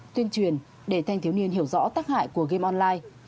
tuyên truyền để thanh thiếu niên hiểu rõ tác hại của game online